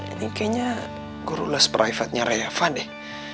ini kayaknya gue rules private nya reva deh